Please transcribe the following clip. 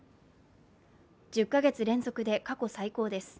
１０か月連続で過去最高です。